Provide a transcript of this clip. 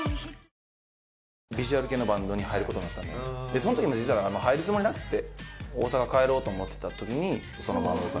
そのときも実は入るつもりなくて。